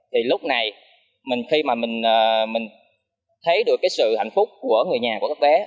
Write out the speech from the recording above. thì lúc này khi mà mình thấy được cái sự hạnh phúc của người nhà của các bé